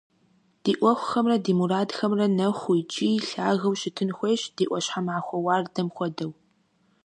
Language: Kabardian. Ди ӏуэхухэмрэ ди мурадхэмрэ нэхуу икӏи лъагэу щытын хуейщ, ди ӏуащхьэмахуэ уардэм хуэдэу.